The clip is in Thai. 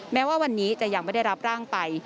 แม้ว่าวันนี้จะยังไม่ได้รับร่างไป